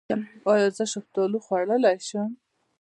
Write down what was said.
ایا زه شفتالو خوړلی شم؟